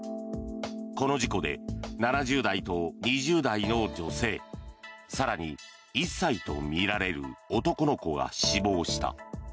この事故で７０代と２０代の女性更に１歳とみられる男の子が死亡した。